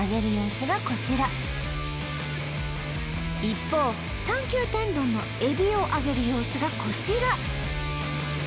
一方３９天丼の海老を揚げる様子がこちら